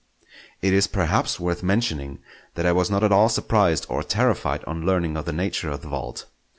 It is perhaps worth mentioning that I was not at all surprised or terrified on learning of the nature of the vault.